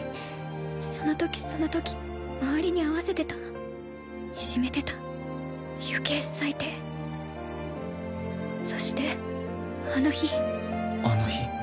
そのときそのとき周りに合わせてたいじめてた余計最低そしてあの日あの日？